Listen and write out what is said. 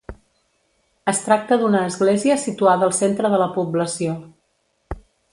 Es tracta d'una església, situada al centre de la població.